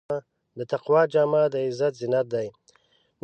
د تقوی جامه د عزت زینت دی.